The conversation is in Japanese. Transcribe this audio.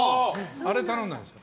あれを頼んだんです。